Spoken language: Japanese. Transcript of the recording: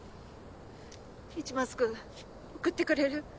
市松君送ってくれる？